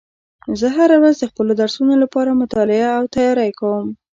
زه هره ورځ د خپلو درسونو لپاره مطالعه او تیاری کوم